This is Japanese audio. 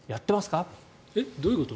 どういうこと？